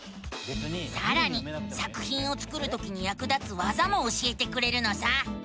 さらに作ひんを作るときにやく立つわざも教えてくれるのさ！